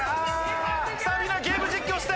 みんなゲーム実況して！